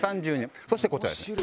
そしてこちらです。